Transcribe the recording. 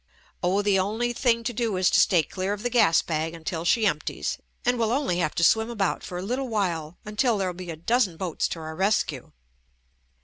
"Oh, the only thing to do is to stay clear of the gas bag until she empties, and we'll only have to swim about for a little while until there'll be a dozen boats to our res cue."